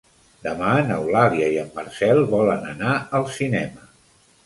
Demà n'Eulàlia i en Marcel volen anar al cinema.